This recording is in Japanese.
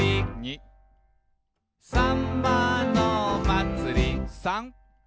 「さんまのまつり」「さん」